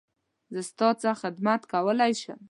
زه ستا څه خدمت کولی شم؟